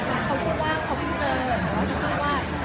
เขาพูดว่าเขาเพิ่งเจอแต่ว่าฉันพูดว่า